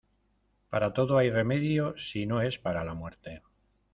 Para todo hay remedio, si no es para la muerte.